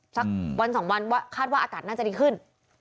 สักวันสองวันว่าคาดว่าอากาศน่าจะดีขึ้น